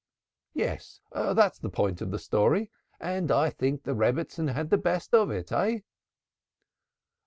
"Yes, that's the point of the story, and I think the Rebbitzin had the best of it, eh?"